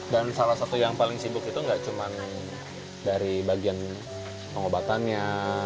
dan salah satu yang paling sibuk itu gak cuma dari bagian pengobatannya